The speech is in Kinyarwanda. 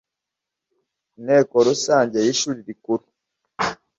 Inteko rusange y Ishuri Rikuru